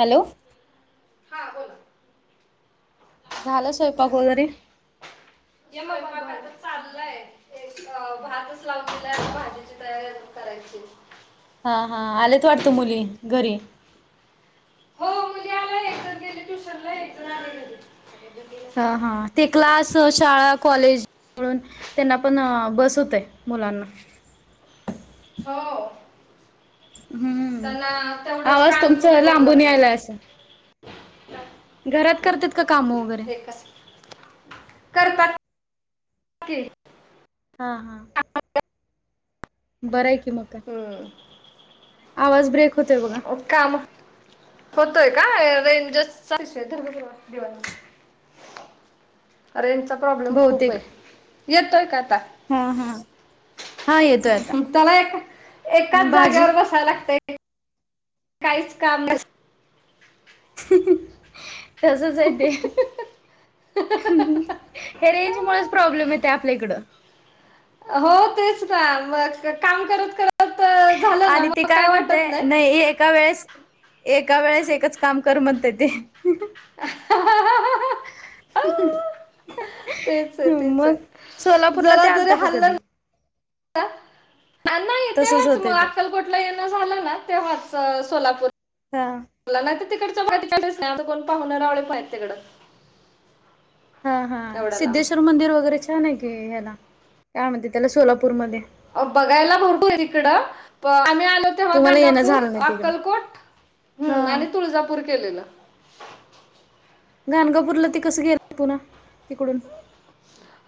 Hello! हा बोला. झालं स्वयंपाक पाऊस येत वगैरे? नाही [inaudible] एक अ भातच लावतील भाजीची तयारी अजून करायची. हा हा आलेत वाटती मुली घरी. हो मुली आल्यात घरी एक जण गेली ट्युशनला, एक जण आली घरी. ह हा ते क्लास, शाळा, कॉलेज, मिळून त्यांना पण बस होते मुलांना. हो. हम्म त्यांना तेवढंच आवाज काम खूप तुमचा होऊन लांबून जाते. यायला असं घरात करतात का काम वैगरे? करतात. की हा बरं आहे की मग, हम्म. आवाज ब्रेक होतोय बघ. काम होतोय का? [inaudible] [inaudible] रेंजचा प्रॉब्लेम खूप बहुतेक आहे. येतोय का आता? हा हा हा येतोय आता त्याला ए एकाच भाजी जागेवर बसायला लागतं. काहीच काम तसंच हाय ते, हं हे रेंज मुळेच प्रॉब्लेम येते आपल्या इकडे. हो तेच ना मग काम करत करत, झालं ना आणि ती मग काय म्हणते, वाटत नाही एका वेळेस एका वेळेस एकच काम कर म्हणते ते. अ हा हं.. तेच आहे तेच मग आहे सोलापूरला जरा ते जरी आलंत का हल्लं ना कधी? नाही तसच तेव्हाच मग होते ते अक्कलकोट, ला येण झालं ना तेव्हाच सोलापूरला. हा मला नाही तिकडंच माहिती, आता कोण पाहुणे रावळे नायत तिकडं. हा हा एवढ्या लांब. सिद्धेश्वर मंदिर वगैरे छान आहे की ह्याला यामध्ये त्याला सोलापूरमध्ये. अहो बघायला भरपूर ये तिकडं प आम्ही आलो तेव्हा तुम्हाला येणं गाणगापूर, झालं नाही तिकडे अक्कलकोट, हा हम्म आणि तुळजापूर केलेलं. गाणगापूरला ते कसं गेल पुन्हा तिकडून?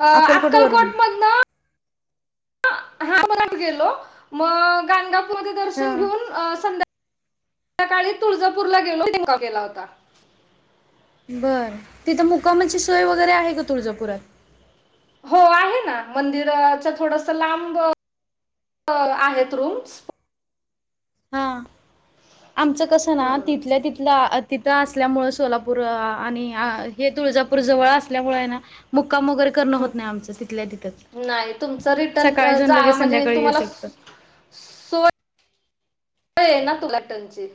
अ अक्कलकोट मधंन [unintelligible] गेलो मग गाणगापूर विठोबाच हा दर्शन घेऊन संध्याकाळी तुळजापूरला गेलो तिथे मुक्काम केला होता बरं तिथं मुक्कामाची सोय वगैरे आहे का तुळजापुरात हो आहेना मंदिराच्या थोडस लांब आहेत रूम्स हा आमचं कसं ना तिथल्या हम्म. तिथला तिथं असल्यामुळं सोलापूर आणि हे तुळजापूर जवळ असल्यामुळं आहे ना मुक्काम वैगरे करन होत नाही आमच तिथल्या तिथच नाही तुमचं रिटर्न सकाळी जाऊन जा लगेच म्हणजे संध्याकाळी येऊ तुम्हाला शकतो सो- सवय आहे ना तुला टंची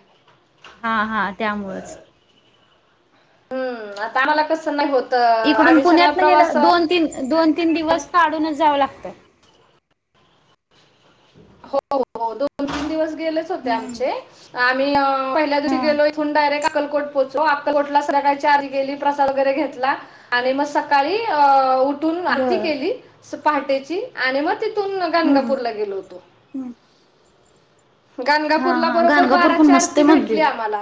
हा हा त्यामुळच हू आता आम्हाला कसं नाही होत अ, इकडून आम्ही सगळा पुण्यातन प्रवास गेलं अ, दोन तीन दोन तीन दिवस काढूनच जावं लागतं हो हो दोन तीन दिवस गेलेच होते आमचे आम्ही अं पहिल्या दिवशी हा गेलो इथून डायरेक्ट अकलकोट पोचलो अकलकोटला आरती केली प्रसाद वगैरे घेतला आणि म सकाळी अ उठून आरती बर केली पहाटेची आणि म तिथून हम्म गाणगापूरला गेलो होतो हा गाणगापूरला हा बरोबर गाणगापूर पण बाराची मस्त आरती आहे भेटली मंदिर आम्हाला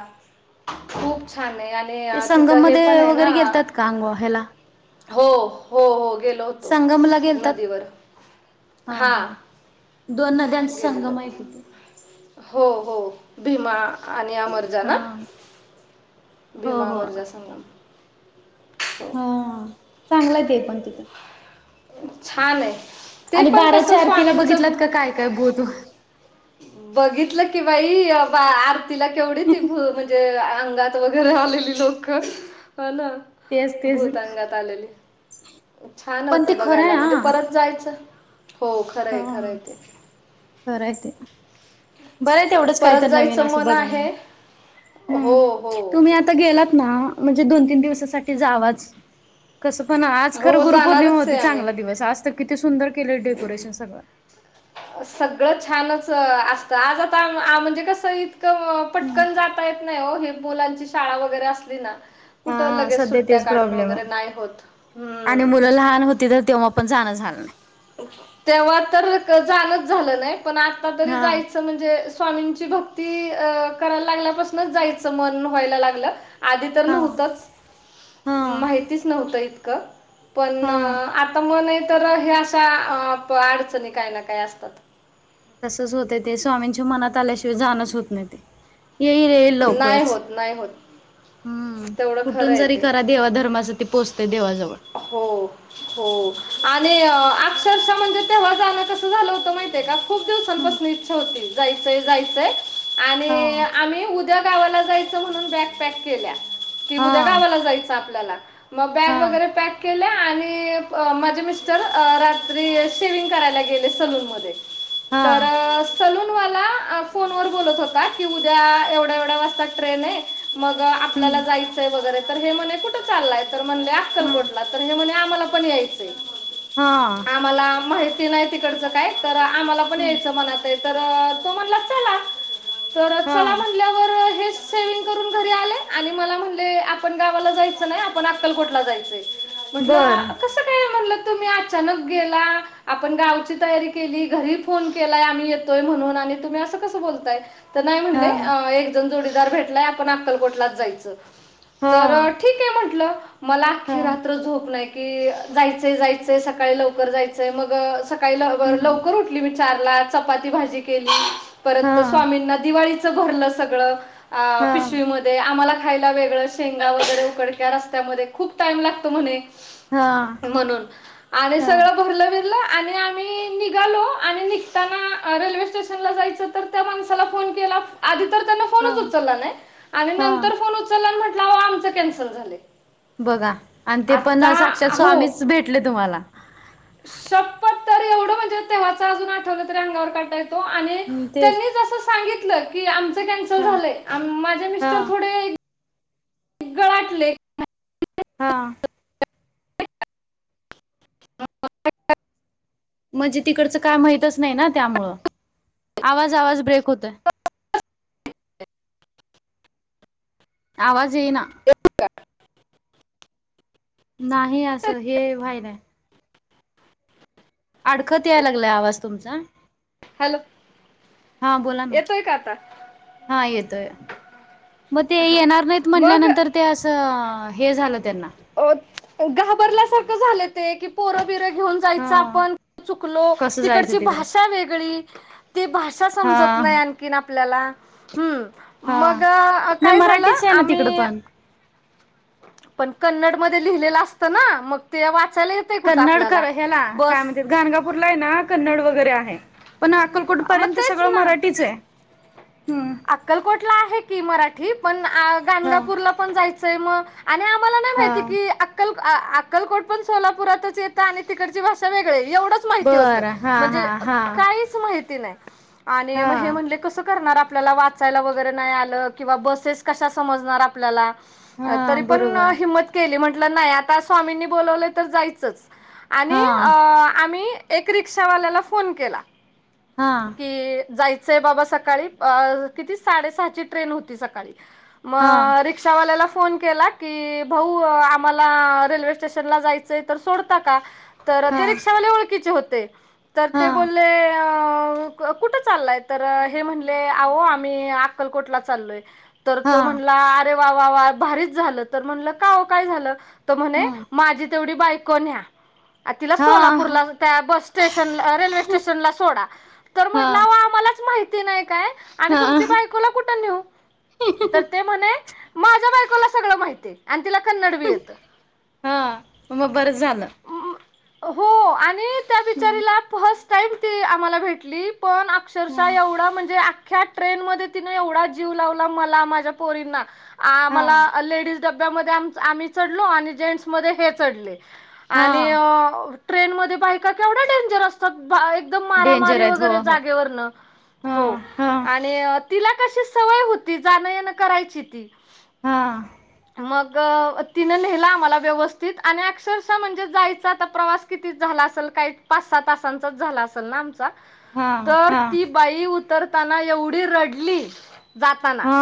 खूप छान आहे आणि ते आणि संगम तिथं हे पण मध्ये आहे ना वगैरे गेलतात का अंग ह्याला हो हो हो गेलो होतो संगमला गेलतात नदीवर हा हा दोन हजार गेलेलो हो हो भीमा आणि अमर जा हा ना हो भीमा हो. अमरचा संगम हा हो चांगलंय ते पण तिथं छान आहे ते आणि पण कसं बाराच्या आरतीला स्वामींचं बघितलात ब- का काय काय भूत बघितलं की बाई आरतीला केवढी ती भु म्हणजे अंगात वगैरे आलेली लोक हो ना तेच तेच भूत अंगात आलेली छान पण ते होतं खरं आहे बघायला म्हणजे हा परत जायचं हो खरं हा आहे खरं आहे ते खरंय ते बरं हाय तेवढंच काय परत तर नवीन जायचं असं मन बघायला आहे हू हो हो तुम्ही आता गेलात ना म्हणजे दोन तीन दिवसासाठी जावाच कसं पण आज खरं हो गुरुपौर्णिमा जाणारच होती आहे आम्ही चांगला दिवस आज तर किती सुंदर केलेल डेकोरेशन सगळं सगळं छानच असतं आज आता म्हणजे कस इतकं पटकन जाता येत नाही ओ ही मुलांची शाळा वगैरे असली ना कुठं हा लगेच सध्या सुट्ट्या तेच काढून प्रॉब्लेम वगैरे आहे. नाही होत हू आणि मुलं लहान होती तर तेव्हा पण जाणं झालं नाही तेव्हा तर जाणच झालं नई पण आता तरी हा जायचं म्हणजे स्वामींची भक्ती करायला लागल्यापासनच जायचं मन व्हायला लागलं आधी तर हा नव्हतच हा. माहितीच नव्हतं इतकं पण हा आता मन आहे तर हे अशा अडचणी काय ना काय असतात तसच होतय ते स्वामींच्या मनात आल्याशिवाय जाणच होत नाही ते येई येईल नाही लवकरच होत नाही होत हू तेवढं खरं कुठून आहे जरी ते. करा देवा धर्माच ते पोहचते देवाजवळ हो हो.. आणि अक्षरश्या म्हणजे तेव्हा जाणं कसं झालं होतं माहिती हे का? खूप हम्म दिवसांपासून इच्छा होती जायचंय.. जायचंय हा आणि आम्ही उ द्या गावाला जायच म्हणून बॅग पॅक केल्या कि उद्या हा गावाला जायच आपल्याला मग हा बॅग वगैरे पॅक केल्या आणि अ.. माझे मिस्टर अ.. रात्री शेविंग करायला गेले सलून मध्ये हा तर.. सलूनवाला फोनवर आ.. बोलत होता की उद्या एव एवढ्या वाजता ट्रेन आहे, मग आपल्याला हम्म जायचंय वगैरे तर, हे म्हणे कुठं चाललंय? तर म्हणल्या हम्म अक्कलकोटला तर हे म्हणे आम्हाला पण यायचंय. हा आम्हाला माहिती नाई तिकडचं काय, तर आम्हाला पण हम्म यायचं मनात तर.. तो म्हणला चला, तर हा चला म्हणतंय [unintelligible] शेविंग करून घरी आले आणि मला म्हणले आपण गावाला जायचं नाही आपण अक्कलकोटला जायचंय. म्हटलं, बर कस काय म्हणलं तुम्ही अचानक गेला आपण गावची तयारी केली घरी फोन केलाय, आम्ही येतोय म्हणून आणि तुम्ही असं कसं बोलताय. त नाही हा म्हणले. "अं, एक जोडीदार भेटलाय आपण अकलकोटला जायच, हा तर ठीक हे म्हंटलं. मला हा अख्खी रात्र झोप नाही की जायचंय.. जायचंय.. सकाळी लवकर जायचंय मग सकाळी ल.. हम्म लवकर उठली मी चारला चपाती- भाजी केली हा परत स्वामींना दिवाळी भरलं सगळं आ.. हा पिशवीमध्ये आम्हाला खायला वेगळं शेंगा वगैरे उकडक्या रस्त्यामध्ये खूप टाइम लागतो म्हणे. हा म्हणून आणि हा सगळं भरलं भिरलं आणि आम्ही निघालो आणि निघताना रेल्वे स्टेशनला जायचं तर त्या माणसाला फोन केला आधी तर त्यांन हा फोनच उचलला नाय आणि हा नंतर फोन उचलला आणि म्हटलं आमच कॅन्सल झालय. बघा आणि ते पण साक्षात स्वामीच भेटले तुम्हाला शपत तरी एवढं म्हणजे तेव्हाच अजून आठवलं तरी अंगावर काटा येतो आणि हम्म.. तेच त्यांनी जसं सांगितलं की आमच कॅन्सल हा झालय आन.. माझे हा मिस्टर थोडे गळाटले हा [unintelligible] ह [unintelligible] म्हणजे तिकडचं काय माहितच नाही ना त्यामुळं, आवाज- आवाज ब्रेक होतय. आवाज ईना एक [unintelligible] नाही असं हे व्हायलय. अडखत यायला लागला आवाज तुमचा हॅलो! हा, बोला ना.. येतोय का आता हा येतोय. मग ते हा येणार नाहीत मग म्हटल्यानंतर ते असं अ.. हे झालं त्यांना ओ.. घाबरल्यासारखं झालं ते की पोरबिर घेऊन हा जायच आपण चुकलो कसं तिकडची जायचं तिकडं भाषा वेगळी ती भाषा हा समजत नाही आणखीन आपल्याला, हम्म.. हा मग अ.. नाही काय झालं मराठीच आहे ना तिकडं आम्ही पण पण कन्नड मध्ये लिहिलेलं असतं ना, मग ते वाचायला ये कन्नड खरं ह्याला, काय म्हणतात, गाणगापूरला य ना कन्नड वगैरे आहे. पण अक्कलकोट मग पर्यंत तेच सगळं ना मराठीच आहे, हम्म. अक्कलकोटला आहे की मराठी, पण हा गणगापूरला पण जायचंय, मग आणि आम्हाला नाही माहिती हा की आ अक्कलकोट पण सोलापुरातच येतं, आणि तिकडची भाषा वेगळेय एवढंच माहिती होतं, बरं हा हा म्हणजे हा काहीच माहिती नाही, आणि हा मग हे म्हटले कसं कसं करणार आप आपल्याला वाचायला वगैरे नाही आलं, किंवा बसेस कशा समजणार आपल्याला, हा अं तरी पण बरोबर हिंमत केली, म्हंटलं नाही आता स्वामींनी बोलावलंय तर जायचच. आणि हा अ आम्ही एक रिक्षावाल्याला फोन केला. हा कि, जायचंय बाबा सकाळी अ किती, साडे सहाची ट्रेन होती सकाळी, हा मग रि रिक्षावाल्याला फोन केला, की भाऊ आम्हाला रेल्वे स्टेशनला जायचंय तर सोडता का. तर हा ते रिक्षावाले ओळखीचे होते,, तर हा ते बोलले अं कुठं चाललाय, तर हे म्हटले ले अहो आम्ही अक्कलकोटला चाललोय, तर हा तो म्हणला अरे वा वा वा भारीच झालं, तर म्हणलं का हो काय झालं, तर म्हणे, हम्म माझी तेवढी बायको न्या. आणि तिला हा सोलापूरला त्या बस स्टेशन रेल्वे स्टेशनला सोडा. तर हा म्हंटलं अओ आम्हालाच माहिती नाही काय, आणि हा तुमची बायकोला कुठं निऊ. तर ते म्हणे, माझ्या बायकोला सगळं माहितीय. आणि तिला कन्नड भी येतं. हा मग बरं झालं हो, आणि त्या हम्म बिचारीला फर्स्ट टाईम ती आम्हाला भेटली पण अक्षरशः हम्म एवढा म्हण अख्या ट्रेन मध्ये तिनं एवढा जीव लावला, मला माझ्या पोरींना, हा आम्हाला लेडीज डब्यामध्ये आम आम्ही चढलो आणि जेंट्समध्ये हे चढले. आणि हा ट्रेनमध्ये बाई बायका केवढ्या डेंजर असतात, एकदम डेंजर मारामारी आहेत हो वगैरे हो जागेवरनं. हा हो, हा आणि तिला तशी सवय होती, जाणं याणं करायची ती. हां. मग तिनं नेलं आम्हाला व्यवस्थित, आणि अक्षरशः म्हणजे जायच आता प्रवास कितीक झाला असल, काही पाच सहा तासांचाच झाला असल ना आमचा. हा तर हा ती बाई उतरताना एवढी रडली, जाताना. हा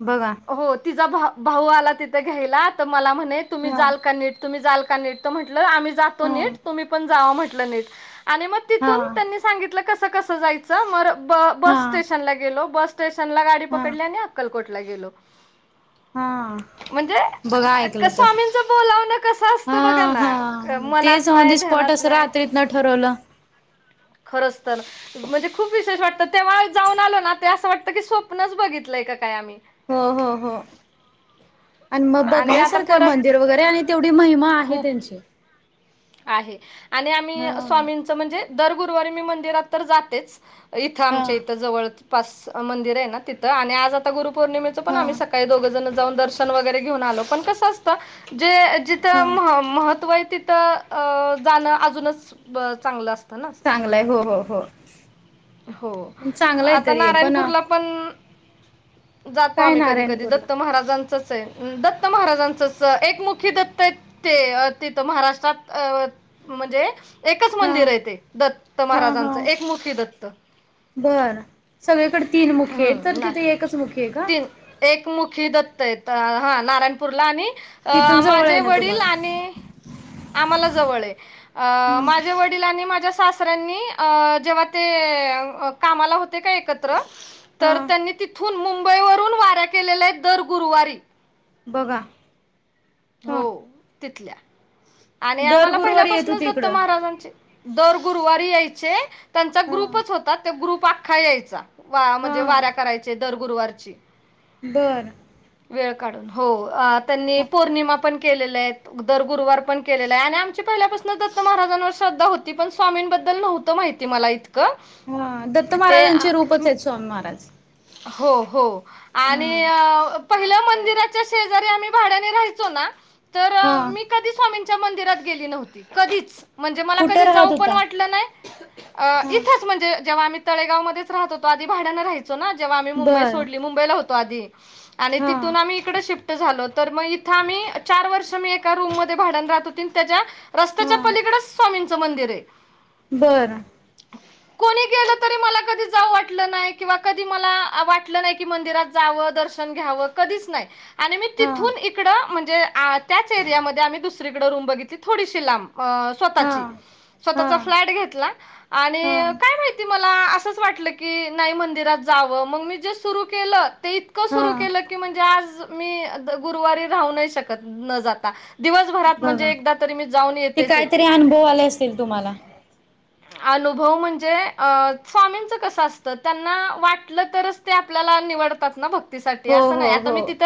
बघा. ! हो तिचा भा भाऊ आला तिथं घ्यायला, तर मला म्हणे तुम्ही हा जाल का नीट तुम्ही झालं का नीट, तर म्हटलं आम्ही जातो हा नीट, तुम्ही पण जावा म्हटलं नीट, आणि मग हा तिथून त्यांनी सांगितलं कसं कसं जायचं सर मर ब हा बस स्टेशनला गेलो, बस स्टेशनला गाडी हा पकडली, आणि अक्कलकोटला गेलो. हां. म्हणजे बघा क ऐकलं तर,, स्वामींचं बोलावणं कसं हा असतं बघा हा ना मनात तेच ऑन नाही दी स्पॉट ध्यानात नाही रात्रीतनं ठरवलं. खरंच तर. म्हणजे खूप विशेष वाटतं, तेव्हा जाऊन आलो ना ते असं वाटतं की, स्वप्नच बघितलंय का काय आम्ही. हो हो हो. आणि मग आता बघण्यासारखं आहे परत मंदिर वगैरे, आणि तेवढी महिमा आहे खूप त्यांची. आहे आणि हा. आम्ही स्वामींच म्हणजे दर गुरुवारी मी मंदिरात तर जातेच. इथं हा आमच्या इथं जवळपास मंदिर आहे ना तिथं आणि आज आता गुरुपौर्णिमेच पण हा आम्ही स काही दोघंजण जाऊन दर्शन वगैरेन आलो. पण कसं असतं जे जिथं हा. म-महत्त्व आहे तिथं अं जाणं अजूनच अ चांगलं असतं. ना चांगलंय हो हो हो. हो. चांगलं आहे आता तरी नारायणपूरला पण जातो काय आम्ही कधी कधी नारायणपूरला दत्त महाराजांचं आहे. दत्त महाराजांचंच एकमुखी दत्त आहे ते तिथं महाराष्ट्रात अ म्हणजे एकच हा मंदिर आहे ते दत्त हा हा. महाराजांचं एक मूखी दत्त. बरं सगळीकडे तीन मुखी आहे तर हम्म नाय तिथे एकच मुखी आहे का? ती एक मुखी दत्त आहेत अ हा नारायणपूरला आणि अ तिथून जवळ माझे आहे ना वडील तुम्हाला आणि आम्हाला जवळ आहे. अं हम्म माझे वडील वडील आणि माझ्या सासऱ्यांनी अं जेव्हा ते कामाला होते का एकत्र हा तर त्यांनी तिथून मुंबईवरून वाऱ्या केलेल्या आहेत दर गुरुवारी. बघा. हो हा तिथल्या आणि दर आम्हाला गुरुवारी येत पहिल्यापासूनच होती दत्त इकडं महाराजांची दर गुरुवारी यायचे. त्यांचा हा ग्रुपच होता ते ग्रुप अख्खा यायचा. वा हा. म्हणजे वाऱ्या करायचे दर गुरुवारची. बर. वेळ काढून. हो अ त्यांनी पौर्णिमा पण केलेल्या आहेत, दर गुरुवार पण केलेलं आहे आणि आमची पहिल्यापासून दत्त महाराजांवर श्रद्धा होती, पण स्वामींबद्दल नव्हतं माहिती मला इतं क हा दत्त ते महाराजांचे रूपच आहेत स्वामी महाराज हो हो आणि हा पहिलं मंदिराच्या शेजारी आम्ही भाड्याने राहायचो ना, तर हा मी कधी स्वामी स्वामींच्या मंदिरात गेली न्हवती कधीच म्हणजे मला कुठे राहत जाऊ पण होता वाटलं नाही. अ हा इथंच म्हणेजे जेव्हा आम्ही तळेगांव मध्येच राहतो आधी भाड्यांने राहायचो ना जेव्हा आम्ही मुंबई बर सोडली. मुंब ईला होतो आधी आणि हा तिथून आम्ही हिकडं शिफ्ट झालो तर मग इथं आम्ही चार वर्ष मी एका रूममध्ये भाड्यानं राहत होती आणि त्याच्या हा रस्त्याच्या पलीकडचं स्वामींचं मंदिर आहे. बरं. कोणी गेलं तरी मला कधी जाऊ वाटलं नाय किंवा कधी मला वाटलं नाय की मंदिरात जावं दर्शन घ्यावं कधीच नाही. आणि मी हा तिथून इकडं म्हणजे अ त्याच एरियामध्ये आम्ही दुसरीकडं रूम बघितली थोडीशी लांब. अ हा स्वतःची. हा स्वतःचा फ्लॅट घेतला आणि हा काय माहिती मला असंच वाटलं की नाही मंदिरात जावं. मग मी जे सुरू केलं ते इतकं हा सुरू केलं, की म्हणजे आज मी गुरुवारी राहू नाही शकत न जाता. दिवसभरात म्हणजे बघा एकदा तरी मी जाऊन ते येतेच काहीतरी येते. अनुभव आले अस तील तुम्हाला? अनुभव म्हणजे अ स्वामींचं कसं असतं त्यांना वाटलं तरच ते आपल्या निवडतात ना भक्तीसाठी. हो असं हो नाही आता मी हो तिथं